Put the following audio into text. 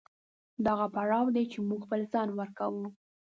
دا هغه پړاو دی چې موږ خپل ځان ورکوو.